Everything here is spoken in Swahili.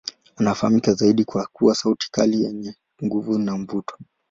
Anafahamika zaidi kwa kuwa sauti kali yenye nguvu na mvuto.